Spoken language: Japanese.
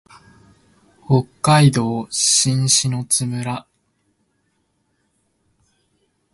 北海道新篠津村